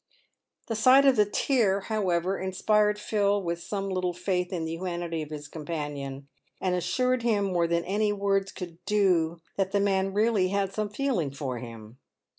The sight of the tear, however, inspired Phil with some little faith in the humanity of his companion, and assured him more than any words could do that the man really had some feeling for him.